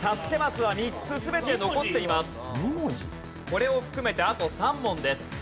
これを含めてあと３問です。